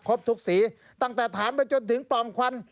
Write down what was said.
ทุกสีตั้งแต่ถามไปจนถึงปล่อมควัน